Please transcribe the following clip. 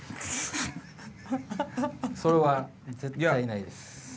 それは絶対ないです。